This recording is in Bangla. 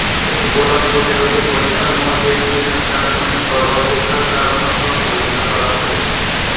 গোলাপ প্রতিরোধ পরীক্ষার জন্য প্রাথমিক গর্ভাবস্থার কারণ পরীক্ষা করা হয়।